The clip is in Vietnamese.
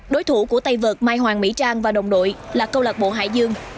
đối thủ của tay vợt mai hoàng mỹ trang và đồng đội là câu lạc bộ hải dương